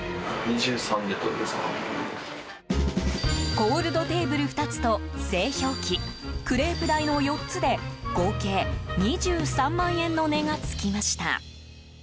コールドテーブル２つと製氷機クレープ台の４つで合計２３万円の値がつきました。